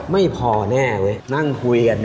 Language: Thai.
ไม่พอแน่ไว้นั่งคุยกันเถอะ